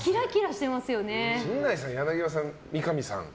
陣内さん、柳葉さん、三上さん